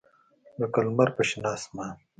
لکه لمر په شنه اسمان